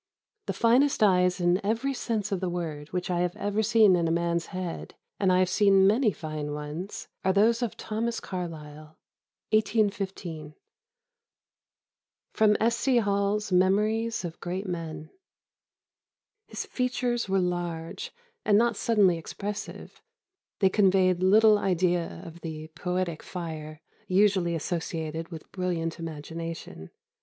The finest eyes, in every sense of the word, which I have ever seen in a man's head (and I have seen many fine ones), are those of Thomas Carlyle." 1815. [Sidenote: S. C. Hall's Memories of Great Men.] "His features were large, and not suddenly expressive; they conveyed little idea of the 'poetic fire' usually associated with brilliant imagination.